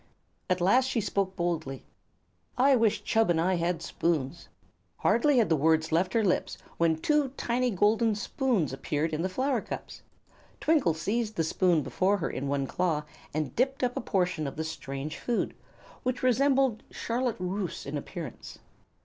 At last she spoke boldly: "I wish Chub and I had spoons." Hardly had the words left her lips when two tiny golden spoons appeared in the flower cups. Twinkle seized the spoon before her in one claw and dipped up a portion of the strange food, which resembled charlotte russe in appearance.